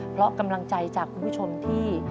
เพราะกำลังใจจากคุณผู้ชมที่